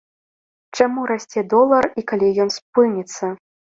Чаму расце долар і калі ён спыніцца?